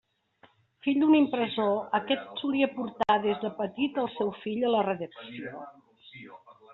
Fill d'un impressor, aquest solia portar des de petit al seu fill a la redacció.